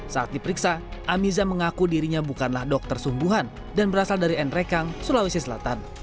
saat diperiksa amiza mengaku dirinya bukanlah dokter sungguhan dan berasal dari nrekang sulawesi selatan